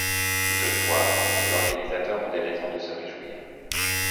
Toutefois, les organisateurs ont des raisons de se réjouir.